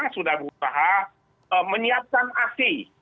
sudah berusaha menyiapkan ac